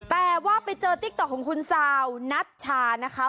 แต่ว่าไปเจอติ๊กต๊อกของคุณซาวนัชชานะคะ